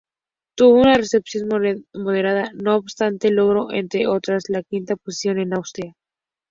Tuvo una recepción moderada, no obstante, logró, entre otras, la quinta posición en Austria.